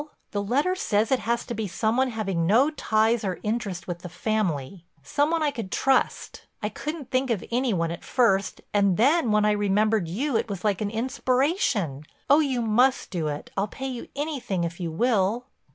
The letter says it has to be some one having no ties or interests with the family—some one I could trust. I couldn't think of any one at first, and then when I remembered you it was like an inspiration. Oh, you must do it—I'll pay you anything if you will."